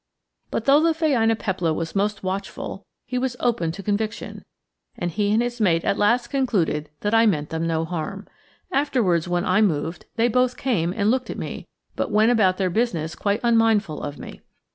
But though the phainopepla was most watchful, he was open to conviction, and he and his mate at last concluded that I meant them no harm. Afterwards, when I moved, they both came and looked at me, but went about their business quite unmindful of me.